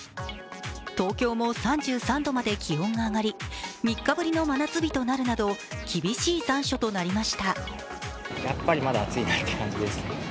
東京も３３度まで気温があがり３日ぶりの真夏日となるなど厳しい残暑となりました。